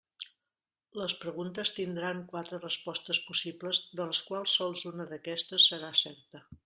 Les preguntes tindran quatre respostes possibles, de les quals sols una d'aquestes serà certa.